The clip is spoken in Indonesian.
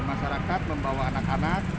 masyarakat membawa anak anak